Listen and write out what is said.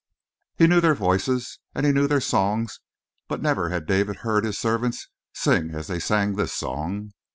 He knew their voices and he knew their songs, but never had David heard his servants sing as they sang this song.